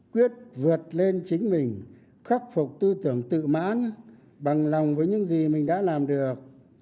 quyết vượt lên chính mình khắc phục tư tưởng tự mãn bằng lòng với những gì mình đã làm được